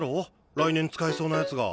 来年使えそうな奴が。